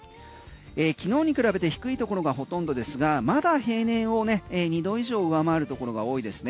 昨日に比べて低いところがほとんどですがまだ平年を２度以上上回るところが多いですね。